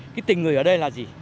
cái tình người ở đây là gì